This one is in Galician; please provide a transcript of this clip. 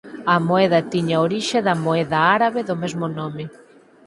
A moeda tiña orixe da moeda árabe do mesmo nome.